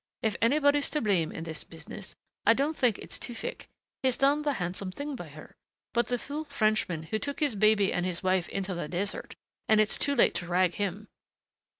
If anybody's to blame in this business, I don't think it's Tewfick he's done the handsome thing by her but the fool Frenchman who took his baby and his wife into the desert, and it's too late to rag him.